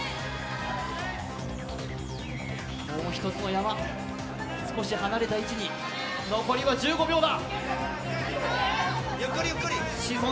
もう一つの山、少し離れた位置に残りは１５秒だ！